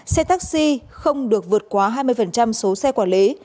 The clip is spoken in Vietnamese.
xe taxi không được vượt quá hai mươi số xe quản lý